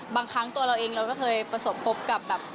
บางครั้งตัวเราเองเราก็เคยประสบพบกับแบบ